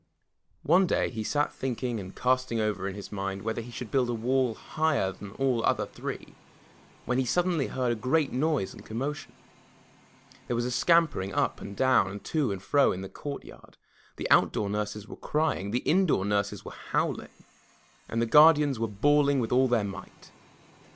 One day he sat thinking and casting over in his mind whether he should build a wall higher than all the other three, when he suddenly heard a great noise and commotion. There was a scampering up and down and to and fro in the courtyard. The outdoor nurses were crying; the indoor nurses were howling, and the guardians were bawling with all their might.